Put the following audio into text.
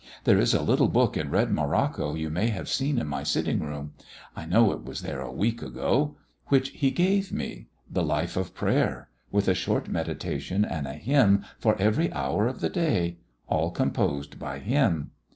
There is a little book in red morocco you may have seen in my sitting room I know it was there a week ago which he gave me, The Life of Prayer, with a short meditation and a hymn for every hour of the day all composed by him.